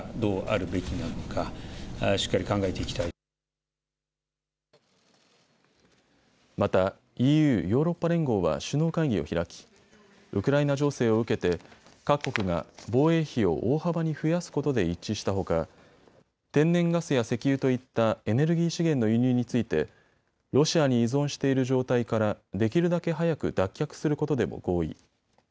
ロシアに対する追加の制裁措置について岸田総理大臣は。また、ＥＵ・ヨーロッパ連合は首脳会議を開きウクライナ情勢を受けて各国が防衛費を大幅に増やすことで一致したほか天然ガスや石油といったエネルギー資源の輸入についてロシアに依存している状態から、できるだけ早く脱却することでも合意。